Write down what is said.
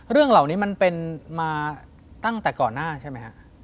เรื่องเหล่านี้มันเป็นมาตั้งแต่ก่อนหน้าใช่ไหมฮะ